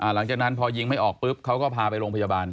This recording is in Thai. หลังจากนั้นพอยิงไม่ออกปุ๊บเขาก็พาไปโรงพยาบาล